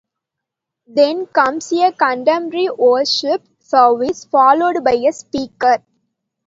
Then comes a contemporary worship service, followed by a speaker.